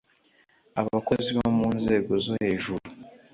Abakozi bo mu nzego zo hejuru